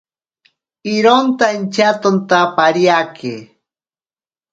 Ironta intyatonta pariake.